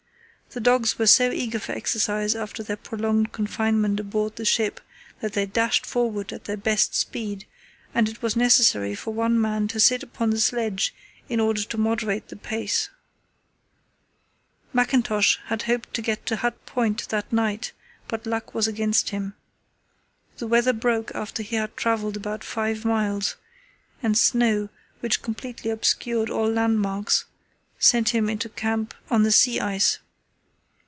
The dogs were so eager for exercise after their prolonged confinement aboard the ship that they dashed forward at their best speed, and it was necessary for one man to sit upon the sledge in order to moderate the pace. Mackintosh had hoped to get to Hut Point that night, but luck was against him. The weather broke after he had travelled about five miles, and snow, which completely obscured all landmarks, sent him into camp on the sea ice.